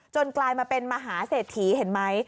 จนกลายมาเป็นมหาเสร็จถีเห็นไหม